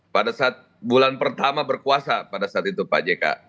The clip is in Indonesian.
pada saat bulan pertama berkuasa pada saat itu pak jk